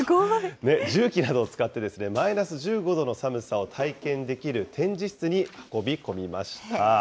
重機などを使って、マイナス１５度の寒さを体験できる展示室に運び込みました。